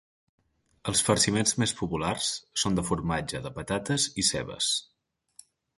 Els farciments més populars són de formatge, de patates i cebes.